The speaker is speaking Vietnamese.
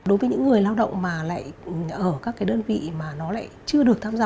đối với những người lao động mà lại ở các cái đơn vị mà nó lại chưa được tham gia